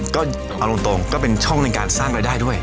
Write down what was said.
ก็เอาตรงก็เป็นช่องในการสร้างรายได้ด้วย